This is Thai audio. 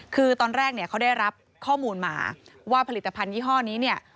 คือตอนแรกเนี่ยเขาได้รับข้อมูลมาว่าผลิตภัณฑยี่ห้อนี้เนี่ย